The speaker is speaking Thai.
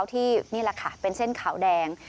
ที่นี่แหละค่ะเป็นเส้นขาวแดง